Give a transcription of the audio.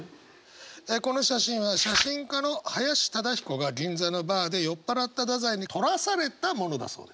この写真は写真家の林忠彦が銀座のバーで酔っ払った太宰に撮らされたものだそうです。